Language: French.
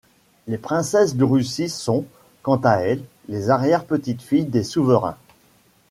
Les princesses de Russie sont, quant à elles, les arrière petites-filles des souverains.